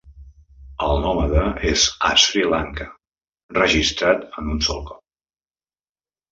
El nòmada és a Sri Lanka, registrat en un sol cop.